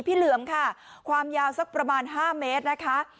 เหลือมค่ะความยาวสักประมาณ๕เมตรนะคะ